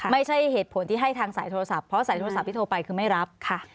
ไม่ใช่เหตุผลที่ให้ทางสายโทรศัพท์เพราะสายโทรศัพท์โทรไปคือไม่รับ